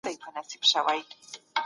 هغوی په میدان کي منډې وهلې.